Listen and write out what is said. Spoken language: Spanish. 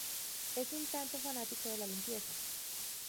Es un "tanto" fanático de la limpieza.